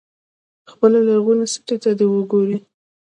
خپلې لرغونې سټې ته دې وګوري.